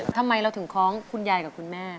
ทำไมเราถึงคล้องคุณยายกับคุณแม่